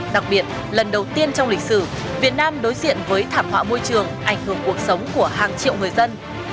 đặc biệt lần đầu tiên trong lịch sử việt nam đối diện với thảm họa môi trường ảnh hưởng cuộc sống của hàng triệu người dân